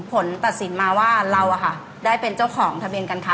ผลตัดสินมาว่าเราได้เป็นเจ้าของทะเบียนการค้า